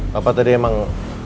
papa tadi emang